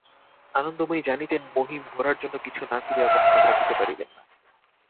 আনন্দময়ীও জানিতেন, মহিম গোরার জন্য কিছু না করিয়া কখনো থাকিতে পারিবেন না।